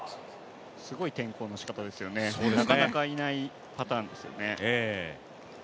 すごい転向のしかたですよね、なかなかないパターンですよね